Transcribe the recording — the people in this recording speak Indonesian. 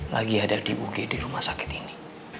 lagi ada di ug di rumah sakit ini